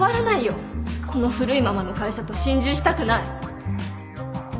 この古いままの会社と心中したくない